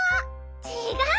ちがうよ！